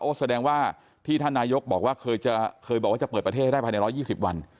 แสดงว่าที่ท่านนายกบอกว่าเคยบอกว่าจะเปิดประเทศให้ได้ภายใน๑๒๐วัน